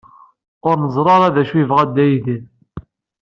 Ur neẓri ara d acu yebɣa Dda Yidir.